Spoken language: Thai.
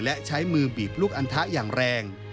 และใช้มือบีบลูกอันทะอย่างแรง